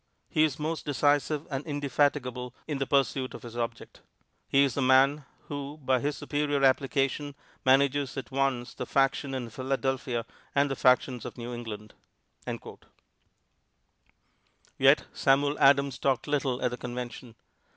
He is most decisive and indefatigable in the pursuit of his object. He is the man who, by his superior application, manages at once the faction in Philadelphia and the factions of New England." Yet Samuel Adams talked little at the Convention.